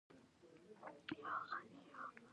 مؤلده ځواکونه هم کټ مټ وده کوي او غټیږي.